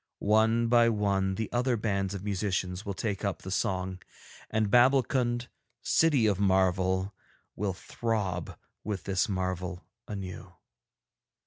One by one the other bands of musicians will take up the song, and Babbulkund, City of Marvel, will throb with this marvel anew.